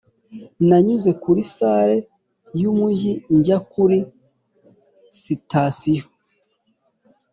nanyuze kuri salle yumujyi njya kuri sitasiyo.